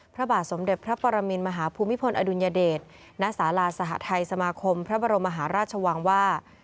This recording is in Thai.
พระบาทสมเด็จพระปรมินมหาภูมิพลอดุลยเดชณศาลาสหทัยสมาคมพระบรมมหาราชวังว่า